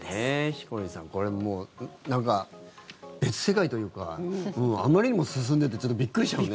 ヒコロヒーさんこれもう、別世界というかあまりにも進んでてちょっとびっくりしちゃうね。